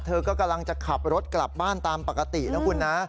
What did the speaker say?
เธอก็กำลังจะขับรถกลับบ้านตามปกตินะคุณนะ